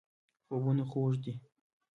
خوبونه خوږ دي.